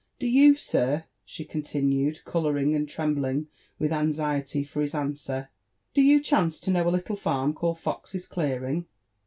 ''Do you, sir," she continued, colouring and trembling with anxiety for his answer, —do you chance to know a little farm called Fox's clearing?"